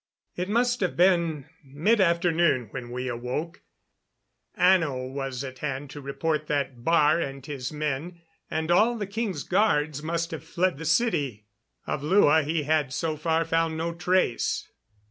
It must have been mid afternoon when we awoke. Ano was at hand to report that Baar and his men, and all the king's guards, must have fled the city. Of Lua he had, so far, found no trace.